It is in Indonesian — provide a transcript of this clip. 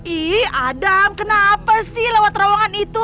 ih adam kenapa sih lewat terowongan itu